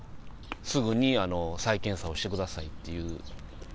すぐに再検査をしてくださいっていう。